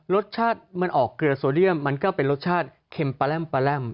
รสชาติมันออกเกลือโซเดียมมันก็เป็นรสชาติเค็มปลาแร่มปลาแร่ม